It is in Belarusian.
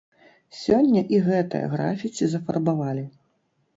Сёння і гэтае графіці зафарбавалі.